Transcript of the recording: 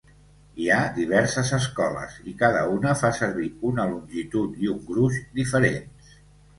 Hi ha diverses escoles, i cada una fa servir una longitud i un gruix diferents.